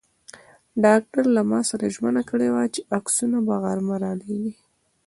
ډاکټر له ما سره ژمنه کړې وه چې عکسونه به غرمه را لېږي.